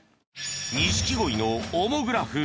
錦鯉のオモグラフ